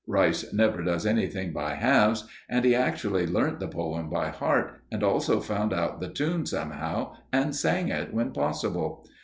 Rice never does anything by halves, and he actually learnt the poem by heart, and also found out the tune somehow and sang it when possible.